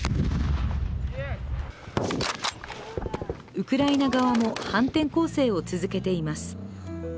ウクライナ側も反転攻勢を続けています。